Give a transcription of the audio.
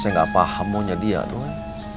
saya gak paham maunya dia doi